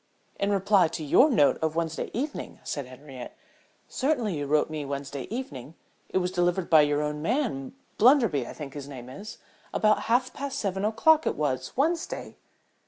"In reply to your note of Wednesday evening," said Henriette. "Certainly you wrote to me Wednesday evening? It was delivered by your own man, Blunderby I think his name is? About half past seven o'clock it was Wednesday."